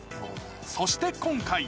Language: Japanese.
そして今回。